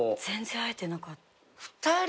全然会えてなかった。